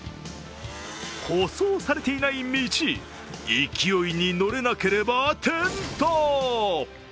舗装されていない道、勢いに乗れなければ転倒。